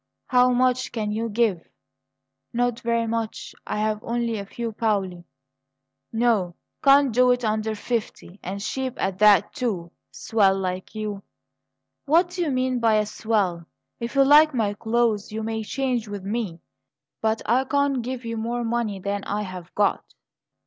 "How much can you give?" "Not very much; I have only a few paoli." "No. Can't do it under fifty and cheap at that, too a swell like you." "What do you mean by a swell? If you like my clothes you may change with me, but I can't give you more money than I have got."